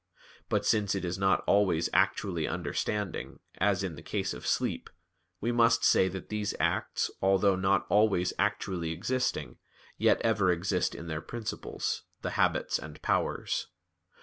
But since it is not always actually understanding, as in the case of sleep, we must say that these acts, although not always actually existing, yet ever exist in their principles, the habits and powers.